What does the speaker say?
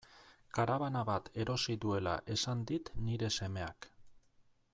Karabana bat erosi duela esan dit nire semeak.